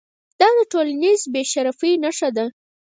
دا د ټولنیز بې شرفۍ نښه ده.